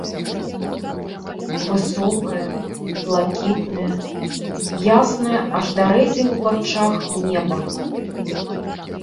Высокае блакітнае, яснае аж да рэзі ў вачах неба.